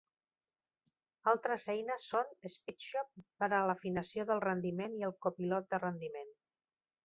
Altres eines són Speedshop per a l'afinació del rendiment i el copilot de rendiment.